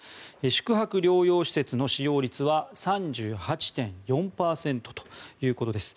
宿泊療養施設の使用率は３８．４％ということです。